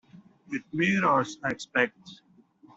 With mirrors, I expect.